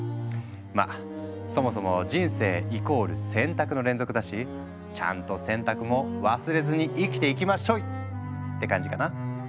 まあそもそも人生イコール選択の連続だしちゃんと選択も忘れずに生きていきまっしょい！って感じかな。